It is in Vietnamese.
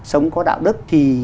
sống có đạo đức thì